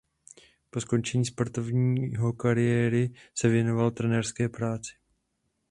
Po skončení sportovního kariéry se věnoval trenérské práci.